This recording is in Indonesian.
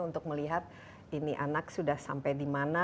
untuk melihat ini anak sudah sampai di mana